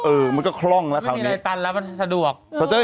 เออมันก็คล่องแล้วคราวนี้ไม่มีอะไรตันแล้วมันสะดวกสะดวก